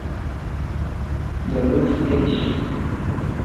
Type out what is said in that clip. Deluxe Edition